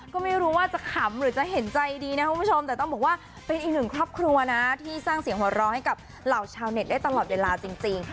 ก็ไม่รู้ว่าจะขำหรือจะเห็นใจดีนะคุณผู้ชมแต่ต้องบอกว่าเป็นอีกหนึ่งครอบครัวนะที่สร้างเสียงหัวเราะให้กับเหล่าชาวเน็ตได้ตลอดเวลาจริง